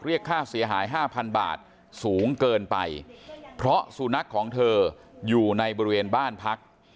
เรียกค่าเสียหายห้าพันบาทสูงเกินไปเพราะสุนัขของเธออยู่ในบริเวณบ้านพัก